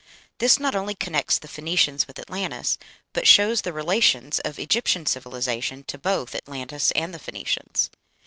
This not only connects the Phoenicians with Atlantis, but shows the relations of Egyptian civilization to both Atlantis and the Phoenicians.